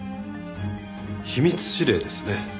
秘密指令ですね。